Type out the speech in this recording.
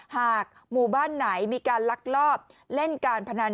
หากหมู่บ้านไหนมีการลักลอบเล่นการพนัน